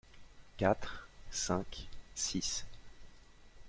Quatre, cinq, six.